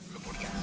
lu pun kasih